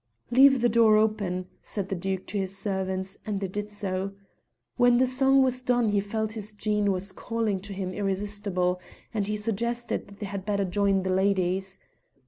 "Leave the door open," said the Duke to his servants, and they did so. When the song was done he felt his Jean was calling to him irresistible, and he suggested that they had better join the ladies.